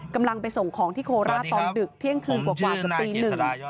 กำลังไปส่งของที่โคราชตอนดึกเที่ยงคืนกว่าเกือบตีหนึ่ง